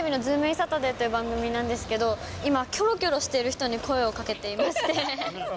サタデーという番組なんですけど、今、キョロキョロしている人に声をかけていまして。